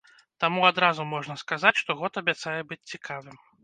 Таму адразу можна сказаць, што год абяцае быць цікавым!